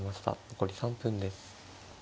残り３分です。